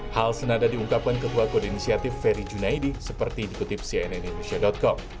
hal senada diungkapkan ketua kode inisiatif ferry junaidi seperti dikutip cnnindonesia com